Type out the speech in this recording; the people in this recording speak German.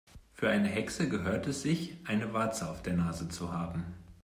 Für eine Hexe gehört es sich, eine Warze auf der Nase zu haben.